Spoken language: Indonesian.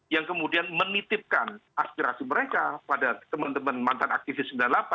yang kemudian menitipkan aspirasi mereka pada teman teman mantan aktivis sembilan puluh delapan